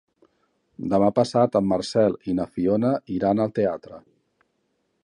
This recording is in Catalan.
Demà passat en Marcel i na Fiona iran al teatre.